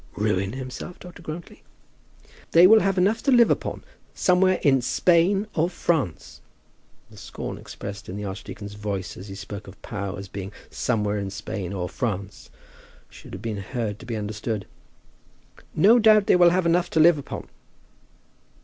"Ruin himself, Dr. Grantly!" "They will have enough to live upon, somewhere in Spain or France." The scorn expressed in the archdeacon's voice as he spoke of Pau as being "somewhere in Spain or France," should have been heard to be understood. "No doubt they will have enough to live upon."